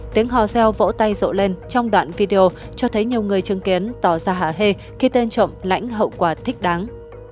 tiếng hò reo vỗ tay rộ lên trong đoạn video cho thấy nhiều người chứng kiến tỏ ra hạ hê khi tên trộm lãnh hậu quả thích đáng